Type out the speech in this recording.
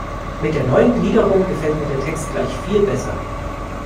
Mit der neuen Gliederung gefällt mir der Text gleich viel besser.